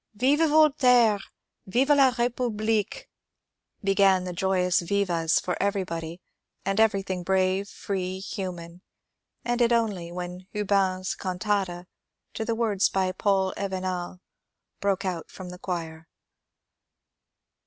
Vive Vol' taire / Vive la Republique f " began the continuous vivas for everybody and everything brave, free, human, ended only when Hubans' cantata to words by Paul Avenal broke out from the choir.